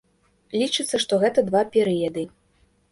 Лічыцца, што гэта два перыяды.